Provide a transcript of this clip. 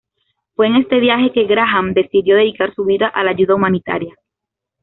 Fue en este viaje que Graham decidió dedicar su vida a la ayuda humanitaria.